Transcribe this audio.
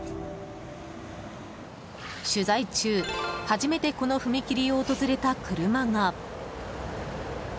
取材中初めてこの踏切を訪れた車が。